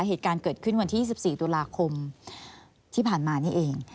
เหตุการณ์เกิดขึ้นวันที่๒๔ตุลาคมที่ผ่านมานี่เอง